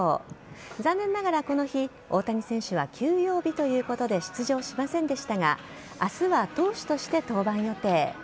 残念ながら、この日大谷選手は休養日ということで出場しませんでしたが明日は投手として登板予定。